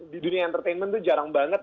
di dunia entertainment itu jarang banget